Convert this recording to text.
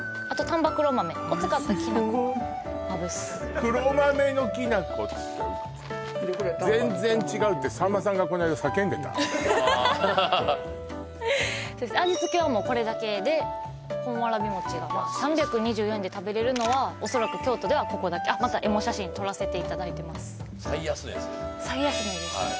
丹波黒豆を使ったきな粉をまぶす黒豆のきな粉って全然違うってさんまさんがこないだ叫んでた味付けはこれだけで本わらび餅が３２４円で食べられるのは恐らく京都ではここだけまたエモ写真撮らせていただいてます最安値ですね